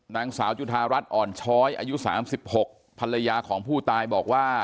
นางสาวจุธารัฐอ่อนช้อยอายุ๓๖ภรรยาของผู้ตายบอกว่า